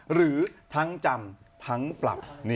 หรือทั้งจำทั้งปรับ